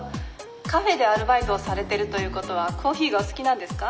カフェでアルバイトをされてるということはコーヒーがお好きなんですか？」。